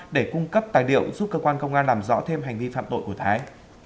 để cung cấp tài liệu giúp cơ quan công an làm rõ thêm hành vi phạm tội của thái